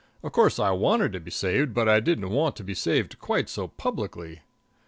Of course I wanted to be saved, but I didn't want to be saved quite so publicly.